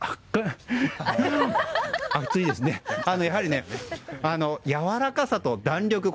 やはり、やわらかさと弾力。